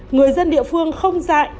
người dân địa phương không dạy